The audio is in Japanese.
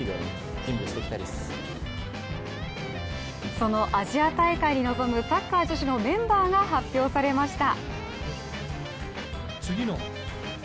そのアジア大会に臨むサッカー女子のメンバーが発表されました。